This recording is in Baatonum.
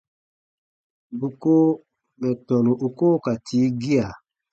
Bù ko mɛ̀ tɔnu u koo ka tii gia.